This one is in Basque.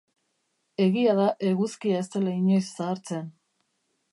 Egia da eguzkia ez dela inoiz zahartzen.